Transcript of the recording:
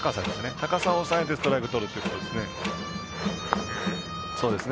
高さ抑えてストライクとるということです。